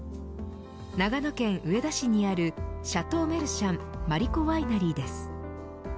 長野県上田市にあるシャトーメルシャン椀子ワイナリーです。